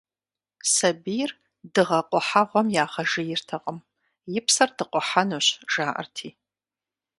Сабийр дыгъэ къухьэгъуэм ягъэжейртэкъым, и псэр дыкъухьэнущ, жаӀэрти.